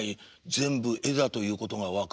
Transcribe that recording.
全部絵だということが分かる。